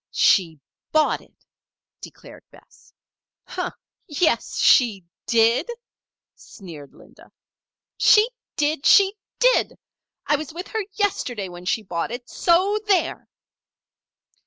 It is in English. "She bought it," declared Bess. "Yes she did!" sneered Linda. "She did! she did! I was with her yesterday when she bought it! So there!"